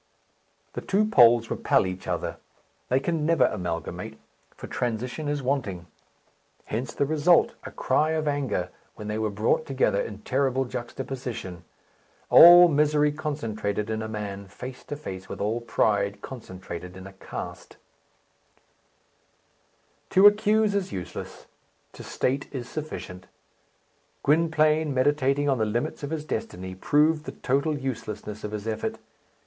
The two poles repel each other. They can never amalgamate, for transition is wanting. Hence the result a cry of anger when they were brought together in terrible juxtaposition: all misery concentrated in a man, face to face with all pride concentrated in a caste. To accuse is useless. To state is sufficient. Gwynplaine, meditating on the limits of his destiny, proved the total uselessness of his effort.